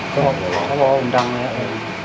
เขาบอกว่าคุณดังแล้ว